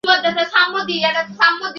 এককালে ইহাদের বংশে লক্ষ্মীর মঙ্গলঘট ভরা ছিল।